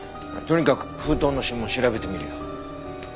とにかく封筒の指紋を調べてみるよ。